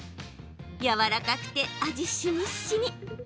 やわらかくて味しみっしみ。